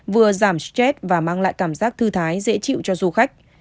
vừa giảm stress và mang lại cảm giác thư thái dễ chịu cho du khách